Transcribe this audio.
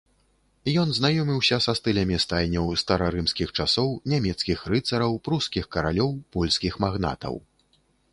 Ён знаёміўся са стылямі стайняў старарымскіх часоў, нямецкіх рыцараў, прускіх каралёў, польскіх магнатаў.